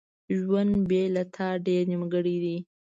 ژوند بیله تا ډیر نیمګړی دی.